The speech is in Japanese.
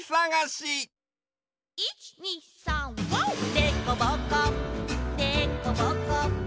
「でこぼこでこぼこ」